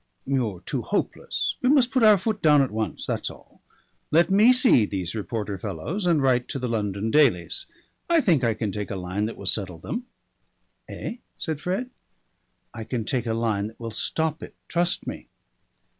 You're too hopeless. We must put our foot down at once; that's all. Let me see these reporter fellows and write to the London dailies. I think I can take a line that will settle them." "Eh?" said Fred. "I can take a line that will stop it, trust me."